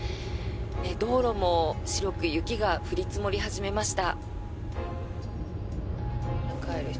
道路も白く雪が降り積もり始めました。